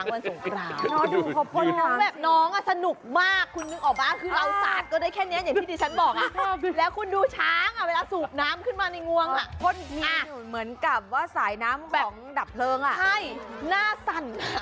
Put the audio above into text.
มันน้องเขาก็แบบเล่นด้วยความน่ารักนะแล้วเปียกอ่ะ